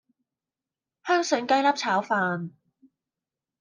香蒜雞粒炒飯